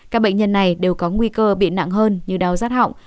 các bệnh nhân này đều có nguy cơ bị nặng hơn như đau rát họng